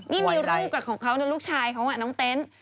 นี่มีรูปกับของเขานะลูกชายเขาน้องเต็นต์